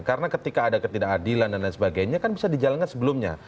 karena ketika ada ketidakadilan dan lain sebagainya kan bisa dijalankan sebelumnya